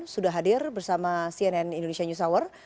sudah hadir bersama cnn indonesia news hour